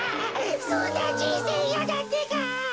そんなじんせいいやだってか！